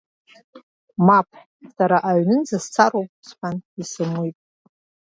Мап, сара аҩнынӡа сцароуп, — сҳәан изымуит.